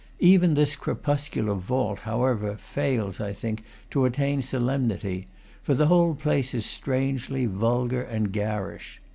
Even this crepuscular vault, how ever, fails, I think, to attain solemnity; for the whole place is strangely vulgar and garish.